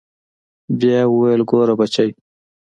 بيا يې وويل ګوره بچى.